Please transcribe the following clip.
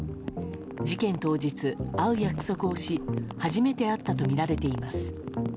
事件当日、会う約束をし初めて会ったとみられています。